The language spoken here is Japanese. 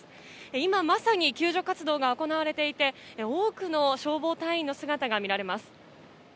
今まさに救助活動が行われていて多くの消防隊員の姿が見られます。